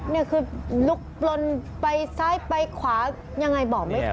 นี่คือลุกลนไปซ้ายไปขวายังไงบอกไม่ถูก